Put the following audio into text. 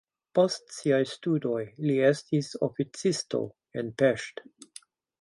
Post siaj studoj li estis oficisto en Pest.